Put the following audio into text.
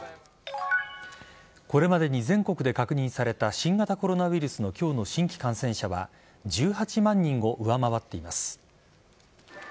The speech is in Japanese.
これまでに全国で確認された新型コロナウイルスの今日の新規感染者は１８万人を上回っています。